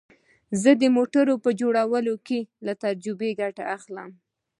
زه د موټرو په جوړولو کې له تجربې ګټه اخلم